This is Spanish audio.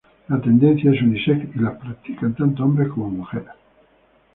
La tendencia es unisex y la practican tanto hombres, como mujeres.